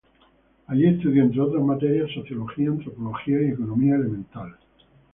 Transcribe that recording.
Allí estudió, entre otras materias, sociología, antropología y economía elemental.